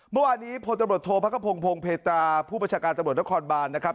เมื่อวานนี้โพทบทพพงภงเพตาผู้ประชาการตำรวจกรต้นกรบานะครับ